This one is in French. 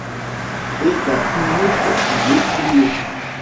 Et d'un tumulte de huées